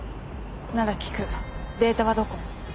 なら聞くデータはどこ？